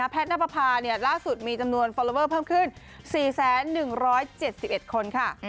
นับประพาล่าสุดมีจำนวนฟอลลอเวอร์เพิ่มขึ้น๔๑๗๑คนค่ะ